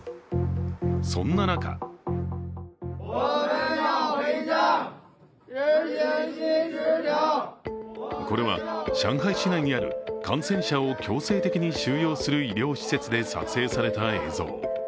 そんな中これは上海市内にある感染者を強制的に収容する医療施設で撮影された映像。